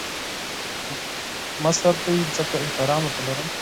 مشر دی ځکه احترام ورته لرم